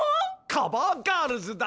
カバー・ガールズだ！